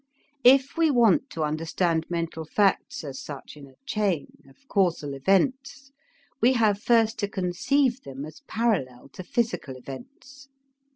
If we want to understand mental facts as such in a chain, of causal events, we have first to conceive them as parallel to physical events.